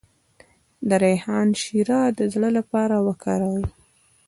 د ریحان شیره د زړه لپاره وکاروئ